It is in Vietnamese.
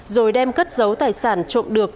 rồi đem cất dấu tài sản trộm được